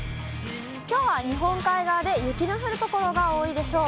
きょうは日本海側で雪の降る所が多いでしょう。